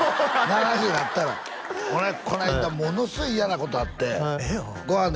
７０なったら俺この間ものすごい嫌なことあってご飯